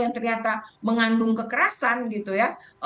yang ternyata mengandung kekerasan gitu ya